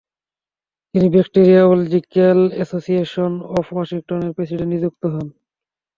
তিনি bacteriological association of Washington এর president নিযুক্ত হন।